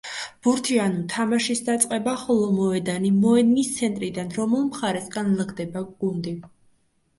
ბურთი ანუ თამაშის დაწყება, ხოლო მოედანი, მოედნის ცენტრიდან რომელ მხარეს განლაგდება გუნდი.